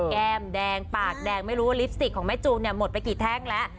แก้มแดงปากแดงไม่รู้ว่าลิปสติกของแม่จูนเนี่ยหมดไปกี่แท่งแล้ว